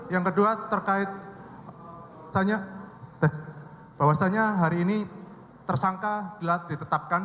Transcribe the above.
yang kedua terkait bahwasannya hari ini tersangka dilatih tetapkan